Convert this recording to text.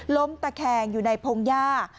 ล้มตะแคงอยู่ในพงหญ้า